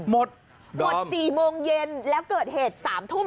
หมดหมด๔โมงเย็นแล้วเกิดเหตุ๓ทุ่ม